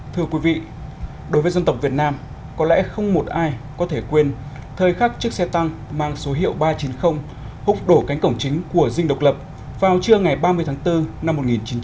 thưa quý vị đối với dân tộc việt nam có lẽ không một ai có thể quên thời khắc chiếc xe tăng mang số hiệu ba trăm chín mươi húc đổ cánh cổng chính của dinh độc lập vào trưa ngày ba mươi tháng bốn năm một nghìn chín trăm bảy mươi